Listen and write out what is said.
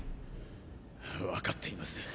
分かっています。